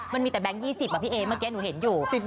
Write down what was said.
มันมีแต่แบงค์๒๐อ่ะพี่เอ๊เมื่อกี้หนูเห็นอยู่